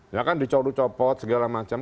ya kan dicorot corot segala macam